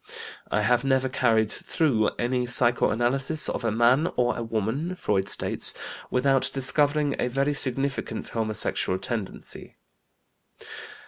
"I have never carried through any psychoanalysis of a man or a woman," Freud states, "without discovering a very significant homosexual tendency."